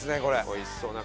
おいしそうな顔。